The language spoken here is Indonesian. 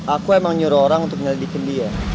aku emang nyuruh orang untuk nyelidikin dia